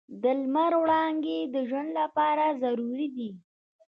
د لمر وړانګې د ژوند لپاره ضروري دي.